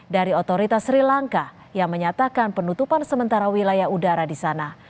dari otoritas sri lanka yang menyatakan penutupan sementara wilayah udara di sana